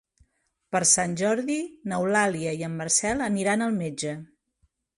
Per Sant Jordi n'Eulàlia i en Marcel aniran al metge.